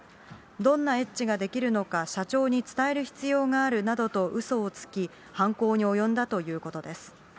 どんなエッチができるのか社長に伝える必要があるなどとうそをつき、犯行に及んだということです。